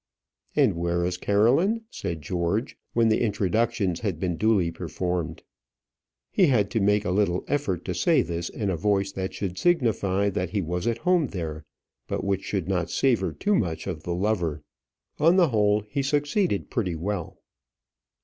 "And where is Caroline?" said George, when the introductions had been duly performed. He had to make a little effort to say this in a voice that should signify that he was at home there, but which should not savour too much of the lover. On the whole, he succeeded pretty well.